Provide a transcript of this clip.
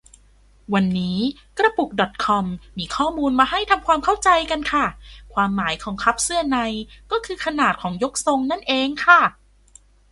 วันนี้กระปุกดอทคอมมีข้อมูลมาให้ทำความเข้าใจกันค่ะ ความหมายของ คัพเสื้อใน ก็คือขนาดของยกทรงนั่นเองค่ะ